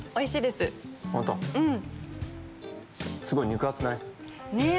すごい肉厚だね。